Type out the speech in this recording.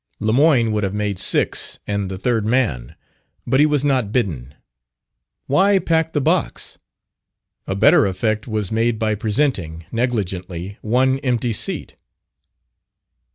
Lemoyne would have made six, and the third man; but he was not bidden. Why pack the box? A better effect was made by presenting, negligently, one empty seat.